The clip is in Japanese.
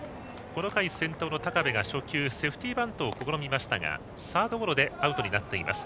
この回先頭の高部が初球セーフティーバントを試みましたが、サードゴロでアウトになっています。